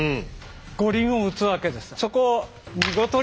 五輪を打つわけです。